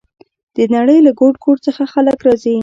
د نړۍ له ګوټ ګوټ څخه خلک راځي.